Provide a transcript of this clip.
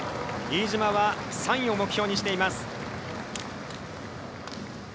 飯島は、３位を目標にしています。